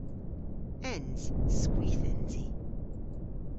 Ens. Skwith ens i.